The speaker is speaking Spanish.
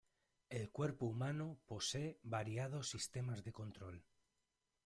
El cuerpo humano posee variados sistemas de control.